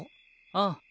ああ。